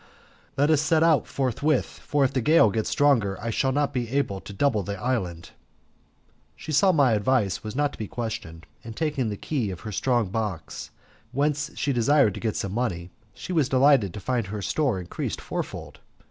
"Let us set out forthwith, for if the gale gets stronger I shall not be able to double the island." She saw my advice was not to be questioned, and taking the key of her strong box, whence she desired to get some money, she was delighted to find her store increased fourfold.